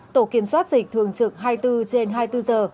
tổ kiểm soát dịch thường trực hai mươi bốn trên hai mươi bốn giờ